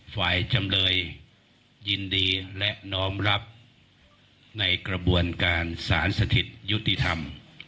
ฝ่ายจำเลยยินดีและน้อมรับในกระบวนการสารสถิตยุติธรรม